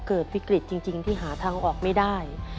เกิดวิกฤตจริงที่หาทางออกไม่ได้